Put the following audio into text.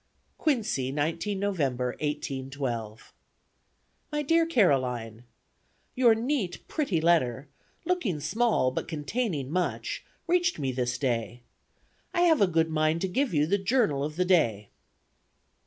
"Quincy, 19 November, 1812. "MY DEAR CAROLINE: "Your neat, pretty letter, looking small, but containing much, reached me this day. I have a good mind to give you the journal of the day.